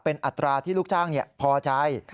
เป็นอัตราที่ลูกจ้างพอใจ